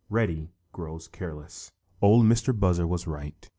Reddy Grows Careless Ol' Mistah Buzzard was right.